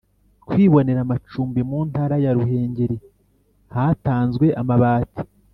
kwibonera amacumbi Mu Ntara ya Ruhengeri hatanzwe amabati